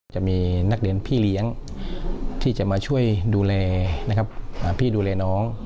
จะมีนักเรียนพี่เลี้ยงที่จะมาช่วยดูแลนะครับพี่ดูแลน้อง